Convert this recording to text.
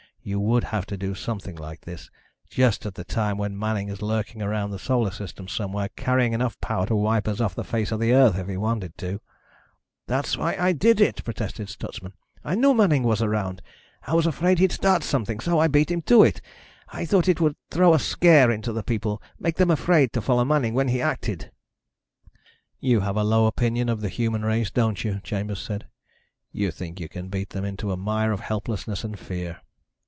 "You would have to do something like this, just at the time when Manning is lurking around the Solar System somewhere, carrying enough power to wipe us off the face of the Earth if he wanted to." "That's why I did it," protested Stutsman. "I knew Manning was around. I was afraid he'd start something, so I beat him to it. I thought it would throw a scare into the people, make them afraid to follow Manning when he acted." "You have a low opinion of the human race, don't you?" Chambers said. "You think you can beat them into a mire of helplessness and fear."